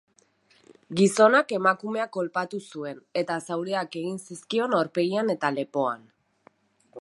Gizonak emakumea kolpatu zuen, eta zauriak egin zizkion aurpegian eta lepoan.